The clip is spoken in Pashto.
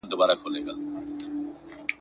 له پسونو تر هوسیو تر غوایانو `